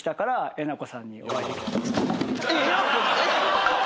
えなこ。